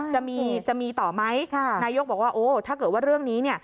จะมีต่อไหมนายกบอกว่าถ้าเกิดว่าเรื่องนี้